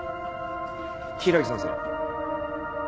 ・柊木先生。